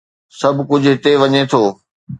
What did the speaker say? سڀ ڪجهه هتي وڃي ٿو.